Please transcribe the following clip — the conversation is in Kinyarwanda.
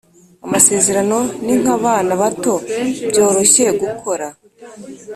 amasezerano ni nkabana bato byoroshye gukora,